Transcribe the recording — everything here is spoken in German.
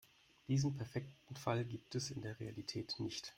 Diesen perfekten Fall gibt es in der Realität nicht.